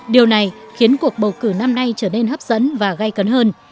điều này khiến cuộc bầu cử năm nay trở nên hấp dẫn và gây cấn hơn